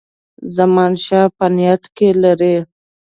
زمانشاه په نیت کې لري.